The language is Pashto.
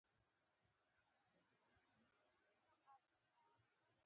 هیوادونو د آزاد بازار ګټې منلې دي